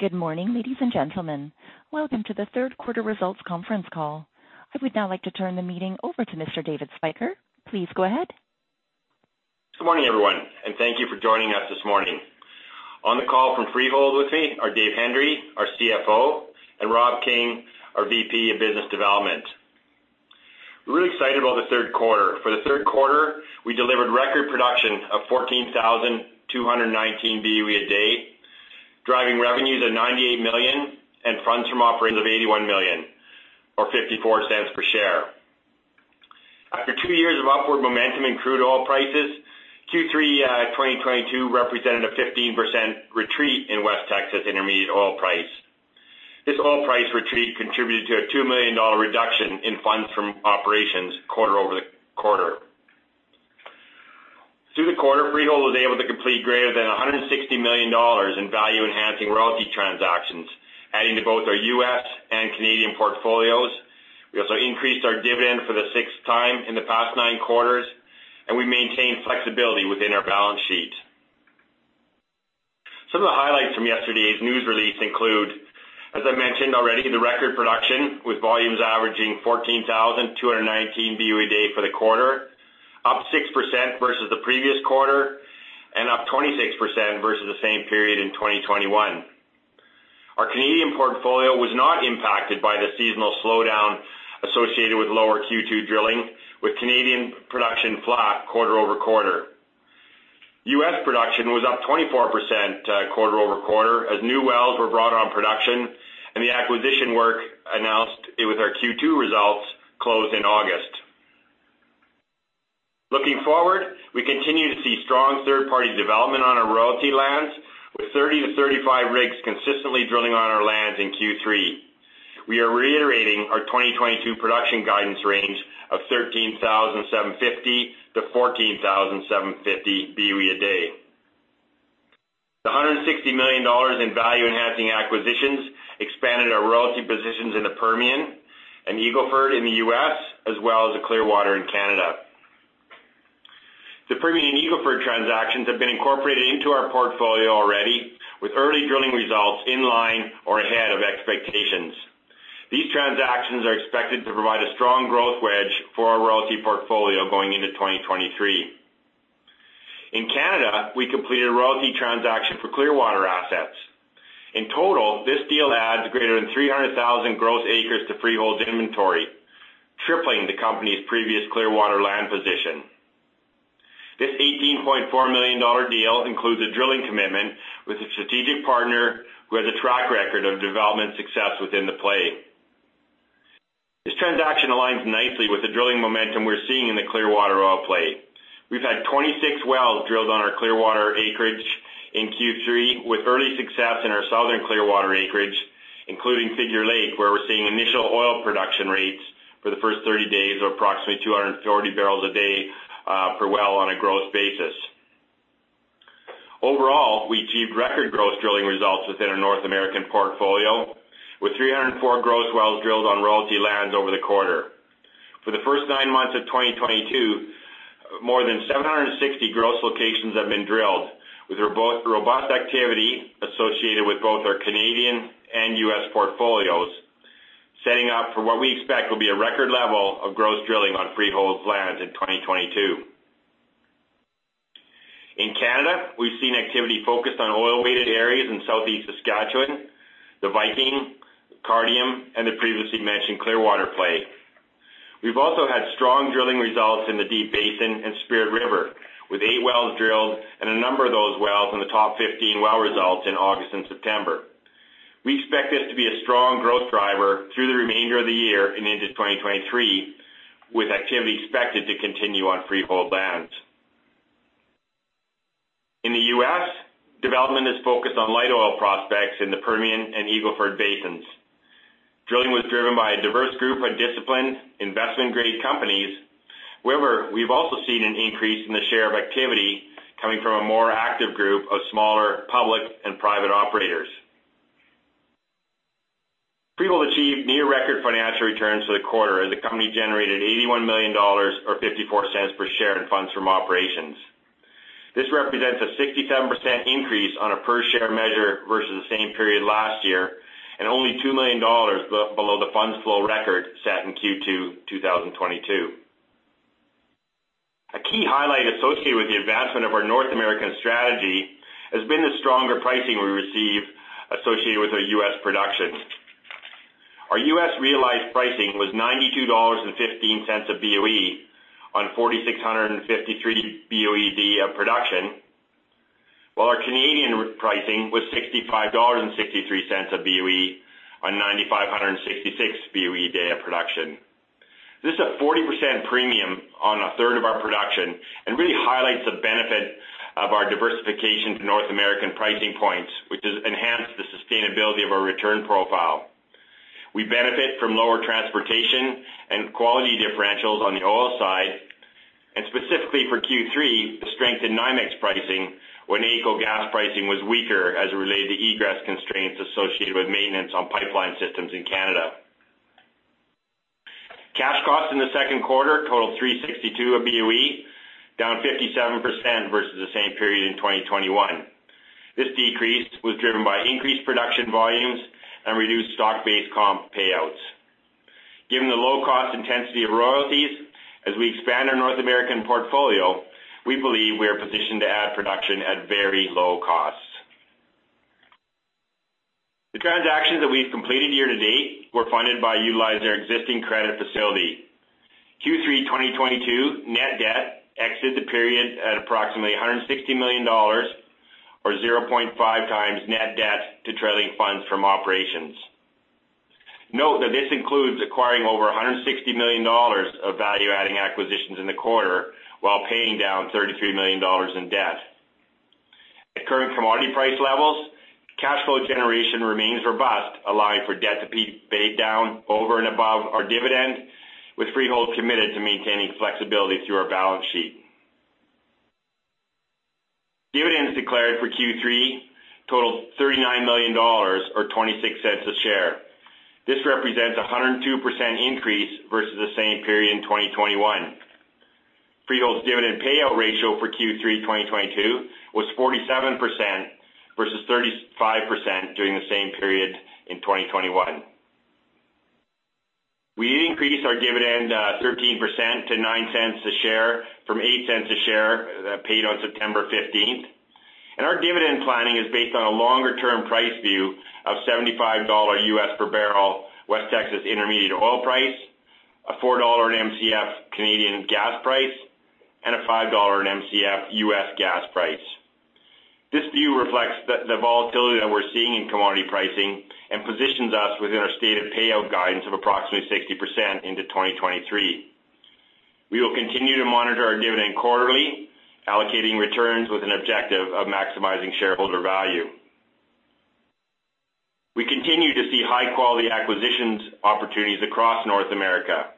Good morning, ladies and gentlemen. Welcome to the third quarter results conference call. I would now like to turn the meeting over to Mr. David Spyker. Please go ahead. Good morning, everyone, and thank you for joining us this morning. On the call from Freehold with me are Dave Hendry, our CFO, and Rob King, our VP of Business Development. We're really excited about the third quarter. For the third quarter, we delivered record production of 14,219 BOE a day, driving revenues of 98 million and funds from operations of 81 million or 0.54 per share. After two years of upward momentum in crude oil prices, Q3, 2022 represented a 15% retreat in West Texas Intermediate oil price. This oil price retreat contributed to a 2 million dollar reduction in funds from operations quarter-over-quarter. Through the quarter, Freehold was able to complete greater than 160 million dollars in value-enhancing royalty transactions, adding to both our U.S. and Canadian portfolios. We also increased our dividend for the sixth time in the past nine quarters, and we maintained flexibility within our balance sheet. Some of the highlights from yesterday's news release include, as I mentioned already, the record production with volumes averaging 14,219 BOE a day for the quarter, up 6% versus the previous quarter and up 26% versus the same period in 2021. Our Canadian portfolio was not impacted by the seasonal slowdown associated with lower Q2 drilling, with Canadian production flat quarter-over-quarter. U.S. production was up 24% quarter-over-quarter as new wells were brought on production and the acquisition work announced with our Q2 results closed in August. Looking forward, we continue to see strong third-party development on our royalty lands with 30-35 rigs consistently drilling on our lands in Q3. We are reiterating our 2022 production guidance range of 13,750-14,750 BOE a day. The 160 million dollars in value-enhancing acquisitions expanded our royalty positions in the Permian and Eagle Ford in the U.S. as well as the Clearwater in Canada. The Permian and Eagle Ford transactions have been incorporated into our portfolio already, with early drilling results in line or ahead of expectations. These transactions are expected to provide a strong growth wedge for our royalty portfolio going into 2023. In Canada, we completed a royalty transaction for Clearwater assets. In total, this deal adds greater than 300,000 gross acres to Freehold's inventory, tripling the company's previous Clearwater land position. This 18.4 million dollar deal includes a drilling commitment with a strategic partner who has a track record of development success within the play. This transaction aligns nicely with the drilling momentum we're seeing in the Clearwater oil play. We've had 26 wells drilled on our Clearwater acreage in Q3, with early success in our southern Clearwater acreage, including Figure Lake, where we're seeing initial oil production rates for the first 30 days of approximately 230 barrels a day, per well on a gross basis. Overall, we achieved record gross drilling results within our North American portfolio, with 304 gross wells drilled on royalty lands over the quarter. For the first nine months of 2022, more than 760 gross locations have been drilled, with robust activity associated with both our Canadian and US portfolios, setting up for what we expect will be a record level of gross drilling on Freehold's lands in 2022. In Canada, we've seen activity focused on oil-weighted areas in southeast Saskatchewan, the Viking, Cardium, and the previously mentioned Clearwater play. We've also had strong drilling results in the Deep Basin and Spirit River, with eight wells drilled and a number of those wells in the top 15 well results in August and September. We expect this to be a strong growth driver through the remainder of the year and into 2023, with activity expected to continue on Freehold lands. In the U.S., development is focused on light oil prospects in the Permian and Eagle Ford basins. Drilling was driven by a diverse group of disciplined investment-grade companies. However, we've also seen an increase in the share of activity coming from a more active group of smaller public and private operators. Freehold achieved near record financial returns for the quarter, as the company generated 81 million dollars or 0.54 per share in funds from operations. This represents a 67% increase on a per-share measure versus the same period last year, and only 2 million dollars below the funds flow record set in Q2 2022. A key highlight associated with the advancement of our North American strategy has been the stronger pricing we receive associated with our U.S. production. Our U.S. realized pricing was $92.15 a BOE on 4,653 BOE/D of production, while our Canadian pricing was 65.63 dollars a BOE on 9,566 BOE/D of production. This is a 40% premium on a third of our production and really highlights the benefit of our diversification to North American pricing points, which has enhanced the sustainability of our return profile. We benefit from lower transportation and quality differentials on the oil side, and specifically for Q3, the strength in NYMEX pricing when AECO gas pricing was weaker as it related to egress constraints associated with maintenance on pipeline systems in Canada. Second quarter totaled 362 BOE, down 57% versus the same period in 2021. This decrease was driven by increased production volumes and reduced stock-based comp payouts. Given the low cost intensity of royalties as we expand our North American portfolio, we believe we are positioned to add production at very low costs. The transactions that we've completed year-to-date were funded by utilizing our existing credit facility. Q3 2022 net debt exited the period at approximately 160 million dollars or 0.5 times net debt to trailing funds from operations. Note that this includes acquiring over 160 million dollars of value-adding acquisitions in the quarter while paying down 33 million dollars in debt. At current commodity price levels, cash flow generation remains robust, allowing for debt to be paid down over and above our dividend, with Freehold committed to maintaining flexibility through our balance sheet. Dividends declared for Q3 totaled 39 million dollars or 0.26 per share. This represents a 102% increase versus the same period in 2021. Freehold's dividend payout ratio for Q3 2022 was 47% versus 35% during the same period in 2021. We increased our dividend 13% to 9 cents a share from 8 cents a share, paid on September 15. Our dividend planning is based on a longer-term price view of $75 per barrel West Texas Intermediate oil price, 4 dollar per Mcf Canadian gas price, and $5 per Mcf US gas price. This view reflects the volatility that we're seeing in commodity pricing and positions us within our stated payout guidance of approximately 60% into 2023. We will continue to monitor our dividend quarterly, allocating returns with an objective of maximizing shareholder value. We continue to see high-quality acquisitions opportunities across North America.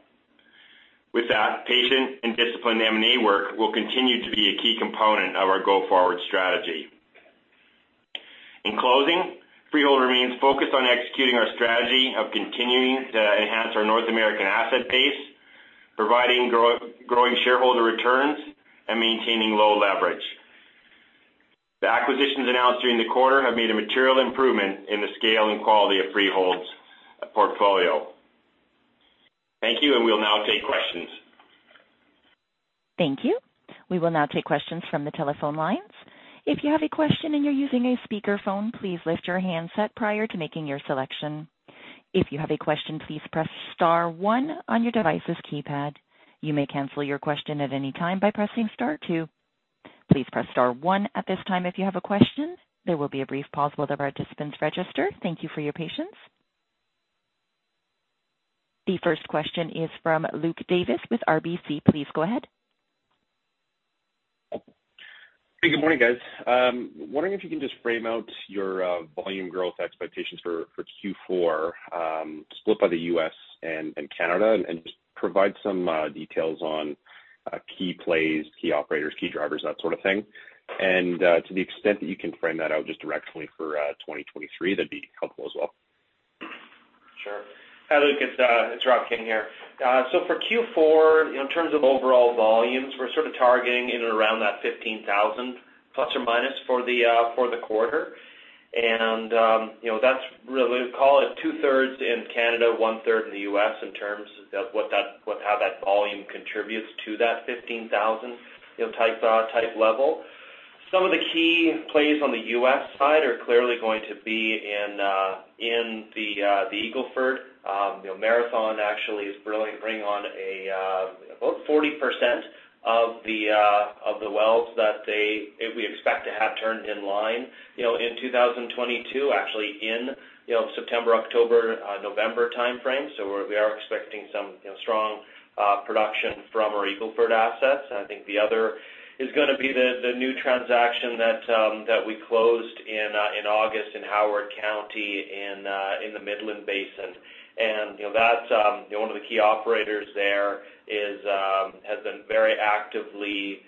With that, patient and disciplined M&A work will continue to be a key component of our go-forward strategy. In closing, Freehold remains focused on executing our strategy of continuing to enhance our North American asset base, providing growing shareholder returns, and maintaining low leverage. The acquisitions announced during the quarter have made a material improvement in the scale and quality of Freehold's portfolio. Thank you, and we'll now take questions. Thank you. We will now take questions from the telephone lines. If you have a question and you're using a speakerphone, please lift your handset prior to making your selection. If you have a question, please press star one on your device's keypad. You may cancel your question at any time by pressing star two. Please press star one at this time if you have a question. There will be a brief pause while the participants register. Thank you for your patience. The first question is from Luke Davis with RBC. Please go ahead. Hey, good morning, guys. Wondering if you can just frame out your volume growth expectations for Q4, split by the U.S. and Canada and just provide some details on key plays, key operators, key drivers, that sort of thing. To the extent that you can frame that out just directionally for 2023, that'd be helpful as well. Sure. Hi, Luke. It's Rob King here. For Q4, in terms of overall volumes, we're sort of targeting in and around that 15,000 ± for the quarter. You know, that's really call it two-thirds in Canada, one-third in the US in terms of how that volume contributes to that 15,000, you know, type level. Some of the key plays on the US side are clearly going to be in the Eagle Ford. You know, Marathon actually is really bringing on about 40% of the wells that we expect to have turned in line, you know, in 2022, actually in September, October, November timeframe. We are expecting some, you know, strong production from our Eagle Ford assets. I think the other is gonna be the new transaction that we closed in August in Howard County in the Midland Basin. That's, you know, one of the key operators there has been very actively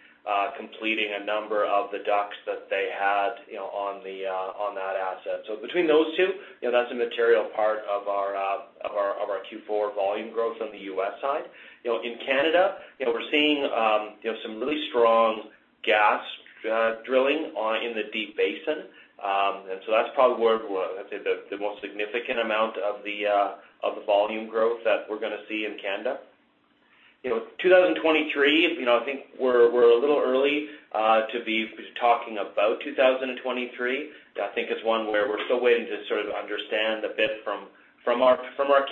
completing a number of the DUCs that they had, you know, on that asset. Between those two, you know, that's a material part of our Q4 volume growth on the U.S. side. You know, in Canada, you know, we're seeing, you know, some really strong gas drilling in the Deep Basin. That's probably where the most significant amount of the volume growth that we're gonna see in Canada. You know, 2023, you know, I think we're a little early to be talking about 2023. I think it's one where we're still waiting to sort of understand a bit from our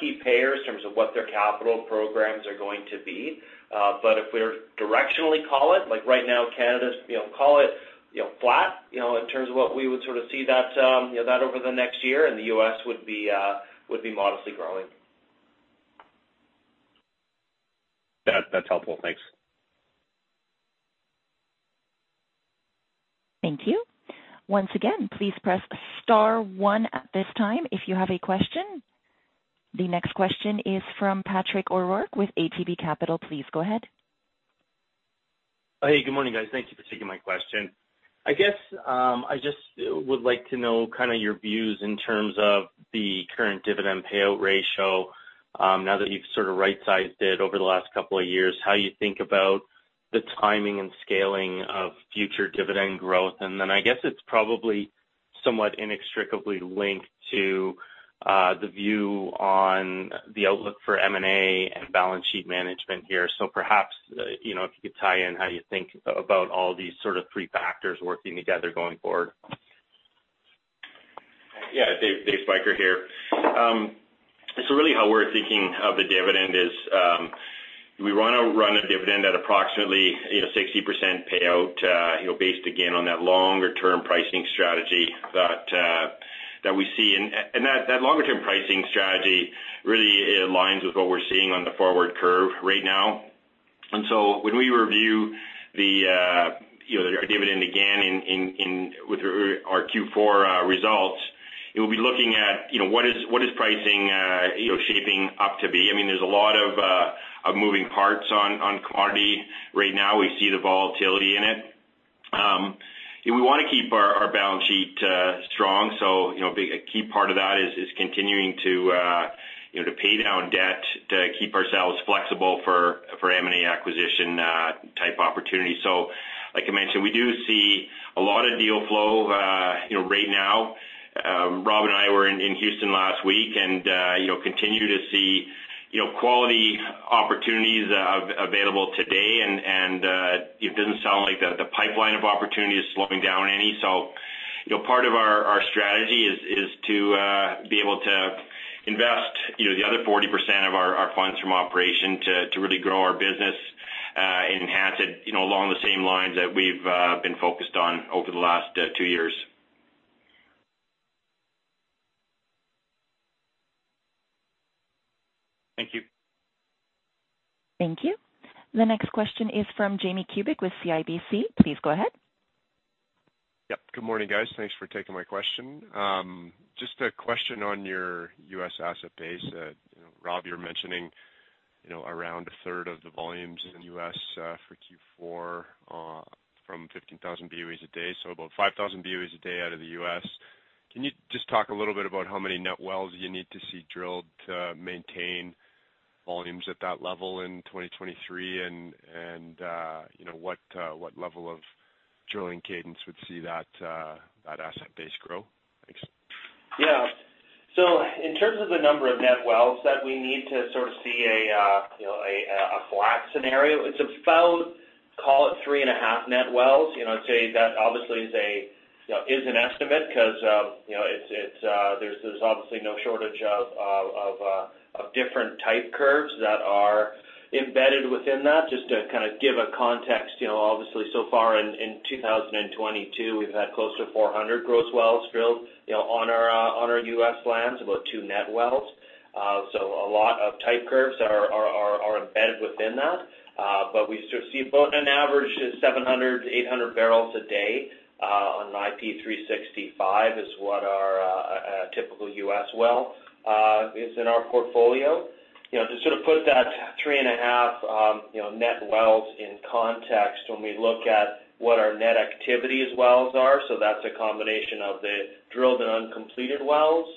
key players in terms of what their capital programs are going to be. But if we're directionally call it, like right now, Canada's, you know, call it, you know, flat, you know, in terms of what we would sort of see that over the next year and the US would be modestly growing. That, that's helpful. Thanks. Thank you. Once again, please press star one at this time if you have a question. The next question is from Patrick O'Rourke with ATB Capital. Please go ahead. Hey, good morning, guys. Thank you for taking my question. I guess, I just would like to know kinda your views in terms of the current dividend payout ratio, now that you've sort of right-sized it over the last couple of years, how you think about the timing and scaling of future dividend growth? Then I guess it's probably somewhat inextricably linked to, the view on the outlook for M&A and balance sheet management here. Perhaps, you know, if you could tie in how you think about all these sort of three factors working together going forward. Yeah. Dave, David Spyker here. Really how we're thinking of the dividend is, we wanna run a dividend at approximately, you know, 60% payout, you know, based again on that longer term pricing strategy that we see. That longer term pricing strategy really aligns with what we're seeing on the forward curve right now. When we review our dividend again with our Q4 results, it will be looking at, you know, what is pricing shaping up to be. I mean, there's a lot of moving parts on commodity right now. We see the volatility in it. We wanna keep our balance sheet strong. You know, a key part of that is continuing to pay down debt, to keep ourselves flexible for M&A acquisition type opportunities. Like I mentioned, we do see a lot of deal flow, you know, right now. Rob and I were in Houston last week and continue to see you know, quality opportunities available today. It doesn't sound like the pipeline of opportunity is slowing down any. You know, part of our strategy is to be able to invest you know, the other 40% of our funds from operation to really grow our business, enhance it, you know, along the same lines that we've been focused on over the last two years. Thank you. Thank you. The next question is from Jamie Kubik with CIBC. Please go ahead. Yep. Good morning, guys. Thanks for taking my question. Just a question on your U.S. asset base. You know, Rob, you're mentioning, you know, around a third of the volumes in U.S., for Q4, from 15,000 BOE/d, so about 5,000 BOE/d out of the U.S. Can you just talk a little bit about how many net wells you need to see drilled to maintain volumes at that level in 2023? You know, what level of drilling cadence would see that asset base grow? Thanks. Yeah. In terms of the number of net wells that we need to sort of see a flat scenario, it's about, call it 3.5 net wells. You know, I'd say that obviously is an estimate 'cause you know, it's, there's obviously no shortage of different type curves that are embedded within that. Just to kind of give a context, you know, obviously so far in 2022, we've had close to 400 gross wells drilled, you know, on our U.S. lands, about 2 net wells. A lot of type curves are embedded within that. We sort of see about an average of 700-800 barrels a day on IP365 is what our typical U.S. well is in our portfolio. You know, to sort of put that 3.5, you know, net wells in context when we look at what our net activity as wells are. That's a combination of the drilled and uncompleted wells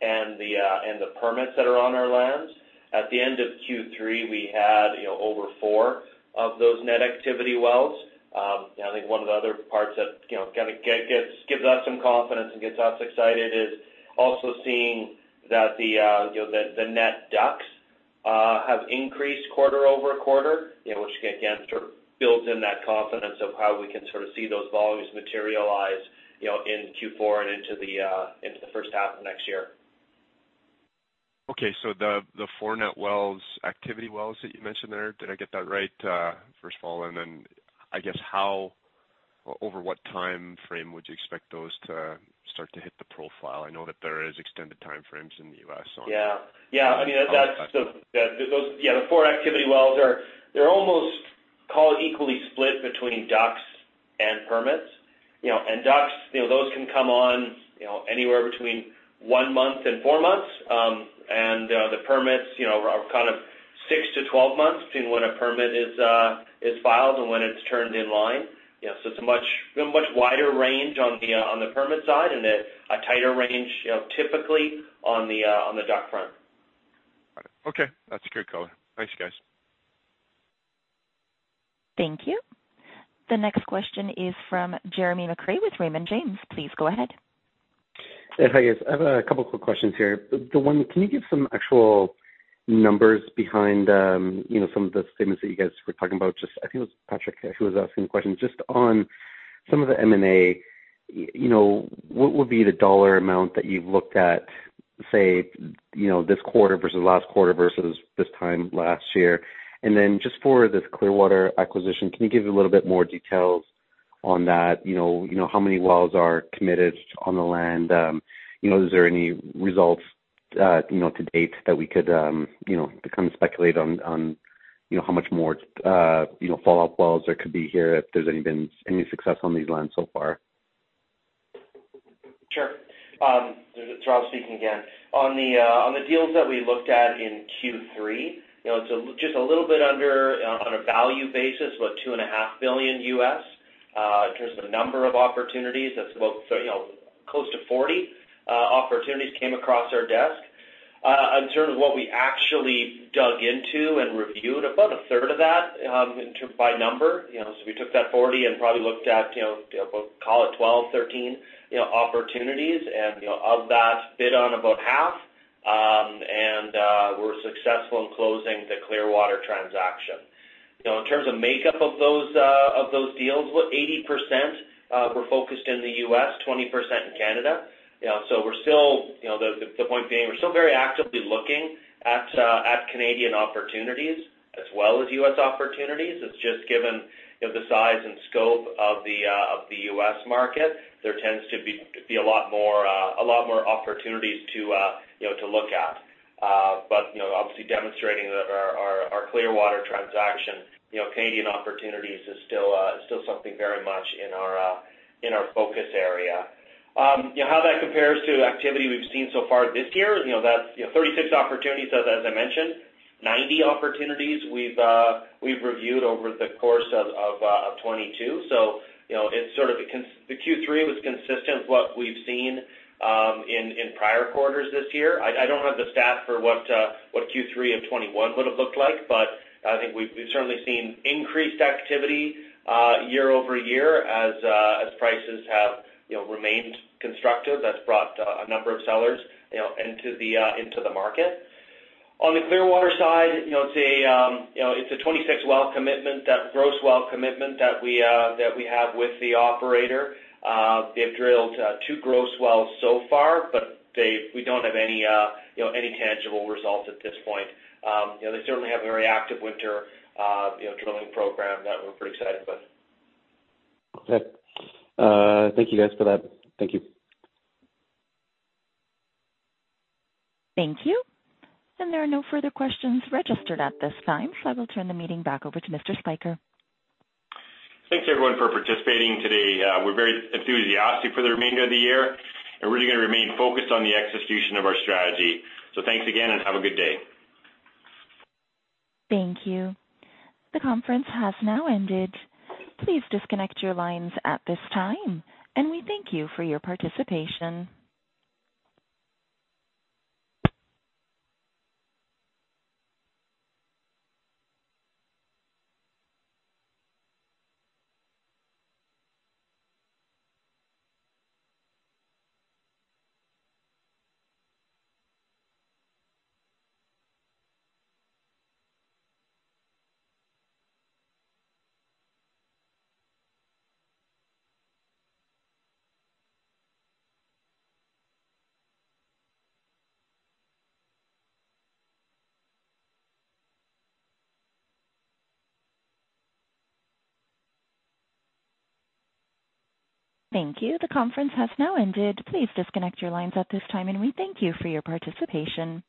and the permits that are on our lands. At the end of Q3, we had, you know, over four of those net activity wells. I think one of the other parts that, you know, gives us some confidence and gets us excited is also seeing that, you know, the net DUCs have increased quarter-over-quarter, you know, which again sort of builds in that confidence of how we can sort of see those volumes materialize, you know, in Q4 and into the first half of next year. Okay. The four net wells, activity wells that you mentioned there, did I get that right, first of all? I guess how or over what timeframe would you expect those to start to hit the profile? I know that there is extended time frames in the U.S. Yeah. I mean, that's the. Yeah. Yeah, the 4 activity wells are, they're almost call it equally split between DUCs and permits. You know, DUCs, you know, those can come on, you know, anywhere between 1 month and 4 months. The permits, you know, are kind of 6 to 12 months between when a permit is filed and when it's turned in line. You know, it's a much wider range on the permit side and a tighter range, you know, typically on the DUC front. Got it. Okay. That's a good color. Thanks, guys. Thank you. The next question is from Jeremy McCrea with Raymond James. Please go ahead. Yeah. Hi, guys. I have a couple quick questions here. The one, can you give some actual numbers behind, you know, some of the statements that you guys were talking about? Just I think it was Patrick who was asking the question, just on some of the M&A, you know, what would be the dollar amount that you've looked at, say, you know, this quarter versus last quarter versus this time last year? And then just for this Clearwater acquisition, can you give a little bit more details on that? You know, you know, how many wells are committed on the land? You know, is there any results, you know, to date that we could, you know, kind of speculate on, you know, how much more, you know, follow-up wells there could be here, if there's been any success on these lands so far? Sure. This is Rob speaking again. On the deals that we looked at in Q3, you know, it's just a little bit under, on a value basis, about $2.5 billion. In terms of the number of opportunities, that's about, you know, close to 40 opportunities came across our desk. In terms of what we actually dug into and reviewed, about a third of that, by number. You know, so we took that 40 and probably looked at, you know, about call it 12, 13, you know, opportunities. You know, of that, bid on about half. We were successful in closing the Clearwater transaction. You know, in terms of makeup of those deals, about 80% were focused in the US, 20% in Canada. You know, the point being, we're still very actively looking at Canadian opportunities as well as U.S. opportunities. It's just given you know the size and scope of the U.S. market, there tends to be a lot more opportunities to you know to look at. You know, obviously demonstrating that our Clearwater transaction, you know, Canadian opportunities is still something very much in our focus area. How that compares to activity we've seen so far this year, you know, that's you know 36 opportunities, as I mentioned. 90 opportunities we've reviewed over the course of 2022. You know, it's sort of the Q3 was consistent with what we've seen in prior quarters this year. I don't have the stat for what Q3 of 2021 would have looked like, but I think we've certainly seen increased activity year-over-year as prices have remained constructive. That's brought a number of sellers into the market. On the Clearwater side, you know, it's a 26-well commitment, that gross well commitment that we have with the operator. They've drilled 2 gross wells so far, but we don't have any tangible results at this point. You know, they certainly have a very active winter drilling program that we're pretty excited about. Okay. Thank you guys for that. Thank you. Thank you. There are no further questions registered at this time, so I will turn the meeting back over to Mr. Spyker. Thanks everyone for participating today. We're very enthusiastic for the remainder of the year, and we're gonna remain focused on the execution of our strategy. Thanks again and have a good day. Thank you. The conference has now ended. Please disconnect your lines at this time, and we thank you for your participation. Thank you. The conference has now ended. Please disconnect your lines at this time, and we thank you for your participation.